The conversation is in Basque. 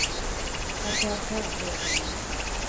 Parte hartzea baxua izan da.